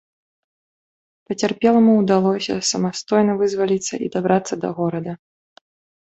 Пацярпеламу ўдалося самастойна вызваліцца і дабрацца да горада.